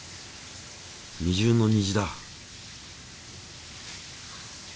二重の虹だ。